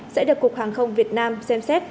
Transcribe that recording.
sẽ được cục hàng không việt nam xem xét